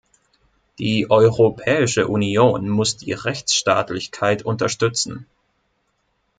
Die Europäische Union muss die Rechtsstaatlichkeit unterstützen.